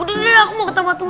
udah deh aku mau ketemu aku